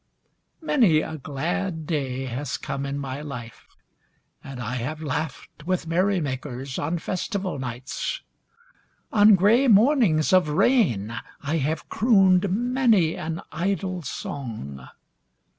Many a glad day has come in my life, and I have laughed with merrymakers on festival nights. On grey mornings of rain I have crooned many an idle song.